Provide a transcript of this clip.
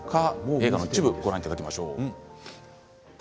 映画の一部をご覧いただきます。